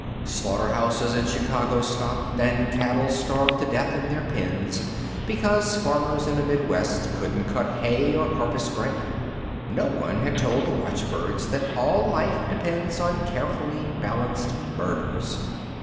Slaughterhouses in Chicago stopped and cattle starved to death in their pens, because farmers in the Midwest couldn't cut hay or harvest grain. No one had told the watchbirds that all life depends on carefully balanced murders.